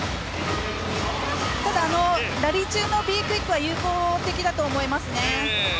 ただ、ラリー中のＢクイックは有効的だと思いますね。